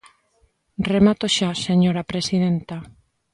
Remato xa, señora presidenta.